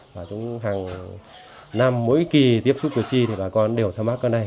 và chúng hàng năm mỗi kỳ tiếp xúc cử tri thì bà con đều tham mắc cơ này